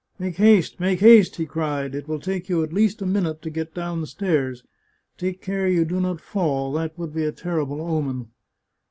" Make haste ! make haste !" he cried. " It will take you at least a minute to get down the stairs. Take care you do not fall ; that would be a terrible omen."